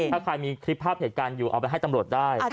ถ้าใครมีคลิปภาพเหตุการณ์อยู่เอาไปให้ตำรวจได้